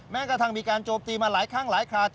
แม้กระทั่งมีการโจมตีมาหลายครั้งหลายขาด